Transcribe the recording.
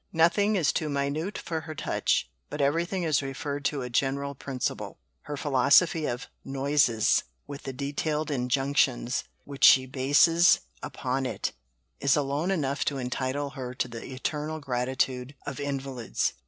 Nothing is too minute for her touch, but everything is referred to a general principle. Her philosophy of "Noises," with the detailed injunctions which she bases upon it, is alone enough to entitle her to the eternal gratitude of invalids.